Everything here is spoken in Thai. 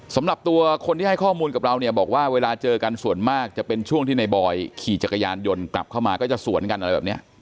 สำหรับตัวคนที่ให้ข้อมูลกับเราเนี่ยบอกว่าเวลาเจอกันส่วนมากจะเป็นช่วงที่ในบอยขี่จักรยานยนต์กลับเข้ามาก็จะสวนกันอะไรแบบนี้